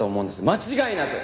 間違いなく！